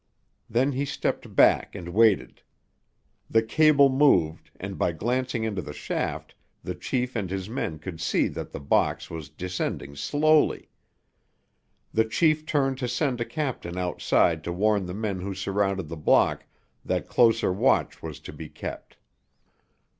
Then he stepped back and waited. The cable moved, and by glancing into the shaft the chief and his men could see that the box was descending slowly. The chief turned to send a captain outside to warn the men who surrounded the block that closer watch was to be kept.